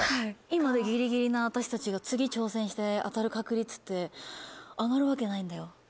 今でギリギリの私たちが次挑戦して当たる確率って上がるわけないんだよ。